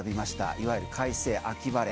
いわゆる快晴、秋晴れ